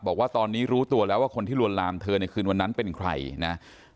บอกว่าตอนนี้รู้ตัวแล้วว่าคนที่ลวนลามเธอในคืนวันนั้นเป็นใครนะ